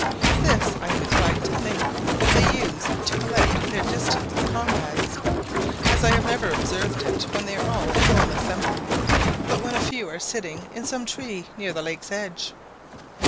This, I am inclined to think, they use to collect their distant comrades, as I have never observed it when they were all in full assembly, but when a few were sitting in some tree near the lake's edge.